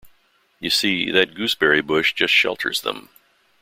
You see, that gooseberry-bush just shelters them.